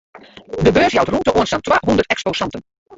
De beurs jout rûmte oan sa'n twahûndert eksposanten.